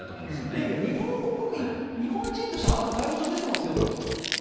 いやいや、日本人としてあなた逮捕状出てますよと。